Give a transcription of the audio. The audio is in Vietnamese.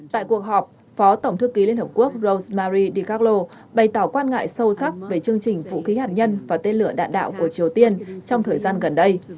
tại cuộc họp phó tổng thư ký liên hợp quốc rosemary dicarlo bày tỏ quan ngại sâu sắc về chương trình vũ khí hạt nhân và tên lửa đạn đạo của triều tiên trong thời gian gần đây